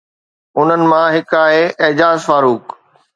انهن مان هڪ آهي اعجاز فاروق.